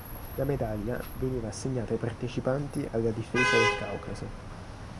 La medaglia veniva assegnata ai partecipanti alla difesa del Caucaso.